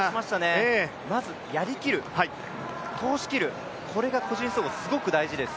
まずやりきる、通しきる、これが個人総合すごく大事です。